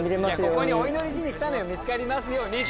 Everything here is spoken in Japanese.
ここにお祈りしに来たのよ見つかりますようにって。